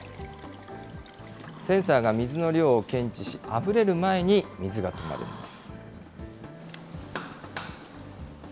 センサーが水の量を検知し、あふれる前に水が止まるんです。